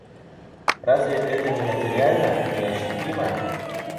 Разве это не материально, не ощутимо?